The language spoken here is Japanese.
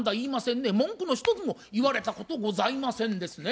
文句の一つも言われたことございませんですね。